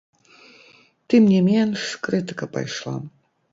Тым не менш, крытыка пайшла.